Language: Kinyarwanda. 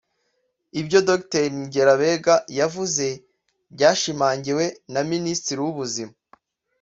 Ibyo Dr Ngirabega yavuze byashimangiwe na Minisitiri w’Ubuzima